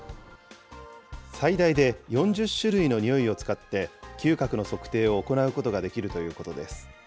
最大で４０種類の匂いを使って、嗅覚の測定を行うことができるということです。